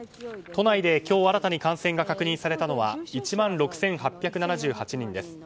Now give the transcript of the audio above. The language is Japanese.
都内で今日新たに感染が確認されたのは１万６８７８人です。